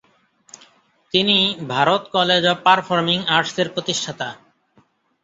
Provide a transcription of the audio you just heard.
তিনি Bharat college of performing আর্টসের প্রতিষ্ঠাতা।